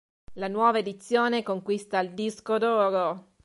La nuova edizione conquista il disco d'oro.